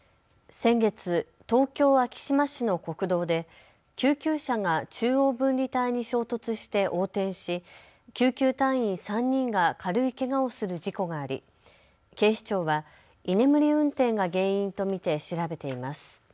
先月、東京昭島市の国道で救急車が中央分離帯に衝突して横転し救急隊員３人が軽いけがをする事故があり、警視庁は居眠り運転が原因と見て調べています。